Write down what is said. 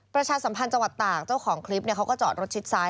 ประชาสัมพันธ์จังหวัดตากเจ้าของคลิปเขาก็จอดรถชิดซ้าย